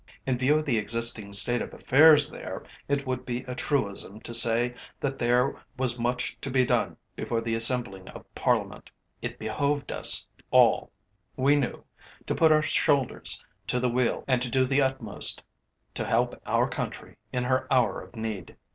In view of the existing state of affairs there, it would be a truism to say that there was much to be done before the assembling of Parliament; it behoved us all, we knew, to put our shoulders to the wheel and to do our utmost to help our country in her hour of need.